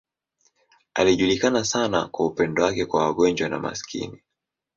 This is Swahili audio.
Alijulikana sana kwa upendo wake kwa wagonjwa na maskini.